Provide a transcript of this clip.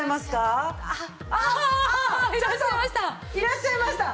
いらっしゃいました。